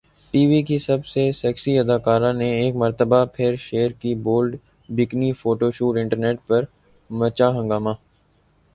T V کی سب سے سیکسی اداکارہ نے ایک مرتبہ پھر شیئر کی بولڈ بکنی فوٹوز ، انٹرنیٹ پر مچا ہنگامہ